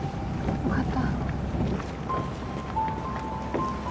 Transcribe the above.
分かった。